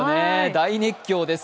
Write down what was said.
大熱狂です。